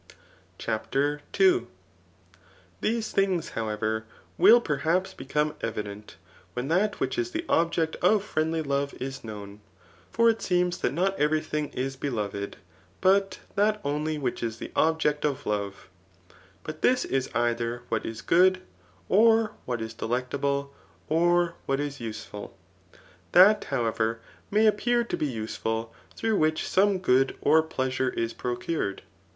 CHAPTER II. These things, however, will perhaps become evident, when that which is the object of friendly love is known; for it seems that not every thing is beloved, but that only which is the object of love ; but this is either what k good, or what is delectable, or what is usefiiK That, however, may appear to be useful through which some good or pleasure is procured.